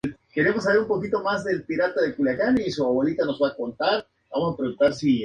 Hasta ese momento habían sido dibujos de arquitecto, los arquitectos dibujan, los chicos dibujan...